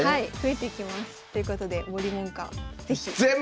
ということで森門下是非。